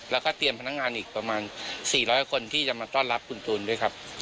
แล้วก็เตรียมพนักงานอีกประมาณ๔๐๐คนที่จะมาต้อนรับคุณตูนด้วยครับ